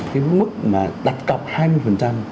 cái mức mà đặt cọc hai mươi